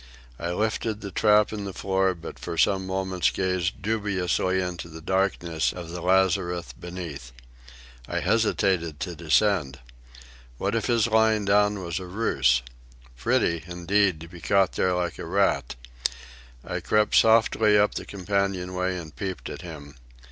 I lifted the trap in the floor, but for some moments gazed dubiously into the darkness of the lazarette beneath. I hesitated to descend. What if his lying down were a ruse? Pretty, indeed, to be caught there like a rat. I crept softly up the companion way and peeped at him.